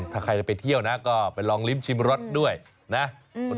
ถ้าใครจะไปเที่ยวนะก็ไปลองลิ้มชิมรสด้วยนะ